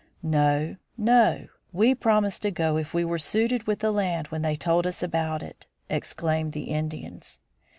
"No, no! We promised to go if we were suited with the land when they told us about it!" exclaimed the Indians.